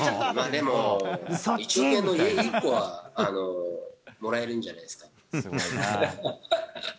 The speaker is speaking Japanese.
でも、１億円の家１個は、もらえるんじゃないですか。